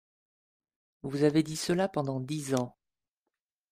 Vous avez dit cela pendant dix ans